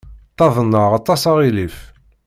Ttaḍneɣ aṭas aɣilif.